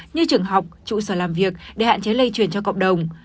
như trường học trụ sở làm việc để hạn chế lây truyền cho cộng đồng